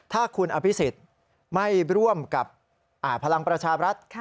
ถ้าคุณอภิษฎไม่ร่วมกับพลังประชาบรัฐ